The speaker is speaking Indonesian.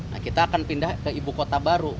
nah kita akan pindah ke ibu kota baru